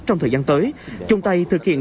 trong thời gian tới chung tay thực hiện